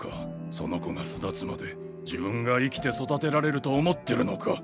その子が巣立つまで自分が生きて育てられると思ってるのか。